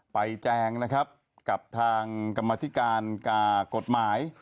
แจงนะครับกับทางกรรมธิการกฎหมาย